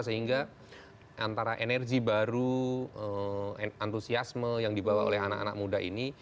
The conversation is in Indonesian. sehingga antara energi baru antusiasme yang dibawa oleh anak anak muda ini